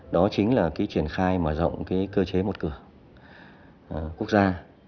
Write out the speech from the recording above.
đó chính là cái triển khai mở rộng cái cơ chế một cửa quốc gia